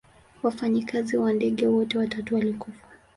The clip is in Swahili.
Wafanyikazi wa ndege wote watatu walikufa.